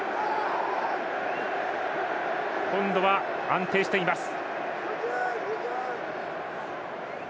今度は安定しています。